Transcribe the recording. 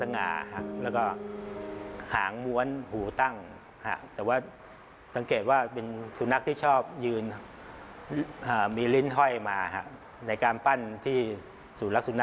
ในช่างศิลปกรรม